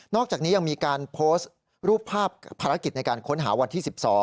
อกจากนี้ยังมีการโพสต์รูปภาพภารกิจในการค้นหาวันที่๑๒